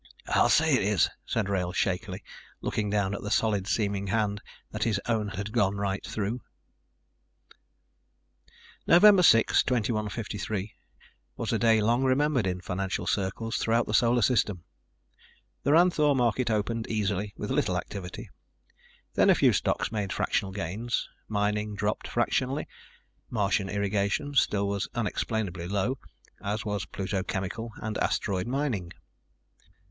"I'll say it is," said Wrail shakily, looking down at the solid seeming hand that his own had gone right through. November 6, 2153, was a day long remembered in financial circles throughout the Solar System. The Ranthoor market opened easy with little activity. Then a few stocks made fractional gains. Mining dropped fractionally. Martian Irrigation still was unexplainably low, as was Pluto Chemical and Asteroid Mining.